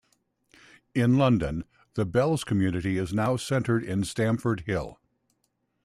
In London, the Belz community is now centred in Stamford Hill.